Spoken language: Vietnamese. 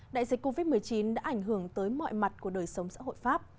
đại dịch covid một mươi chín đã ảnh hưởng tới mọi mặt của đời sống xã hội pháp